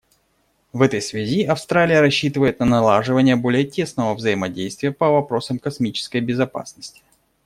В этой связи Австралия рассчитывает на налаживание более тесного взаимодействия по вопросам космической безопасности.